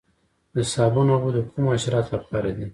د صابون اوبه د کومو حشراتو لپاره دي؟